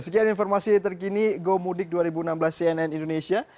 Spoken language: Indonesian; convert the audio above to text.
sekian informasi terkini gomudik dua ribu enam belas cnn indonesia